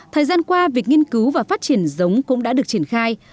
thời gian qua việc nghiên cứu và phát triển giống cũng đã được triển khai